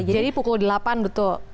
jadi pukul delapan betul